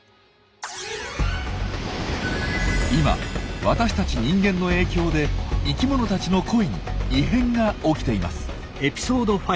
今私たち人間の影響で生きものたちの恋に異変が起きています。